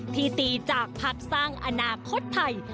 ที่ตีจากภักดิ์สร้างอนาคตไทย